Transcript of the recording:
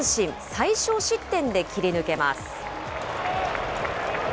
最少失点で切り抜けます。